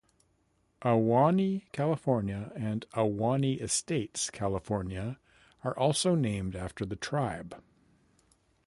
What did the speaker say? Ahwahnee, California and Ahwahnee Estates, California are also named after the tribe.